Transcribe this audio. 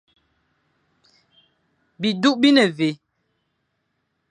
Bi duk bi ne vé ?